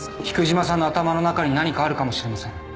菊島さんの頭の中に何かあるかもしれません